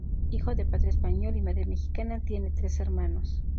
Hijo de padre español y madre mexicana, tiene tres hermanos.